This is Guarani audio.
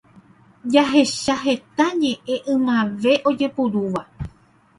Jahecha heta ñe'ẽ ymave ojeporúva